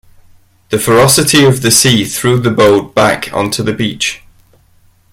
The ferocity of the sea threw the boat back onto the beach.